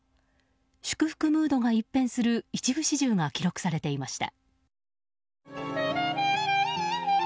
祝福ムードが一変する一部始終が記録されていました。